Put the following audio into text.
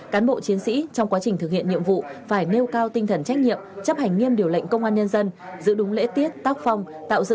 cán bộ chiến sĩ trong quá trình thực hiện nhiệm vụ phải nêu cao tinh thần trách nhiệm chấp hành nghiêm điều lệnh công an nhân dân giữ đúng lễ tiết tác phong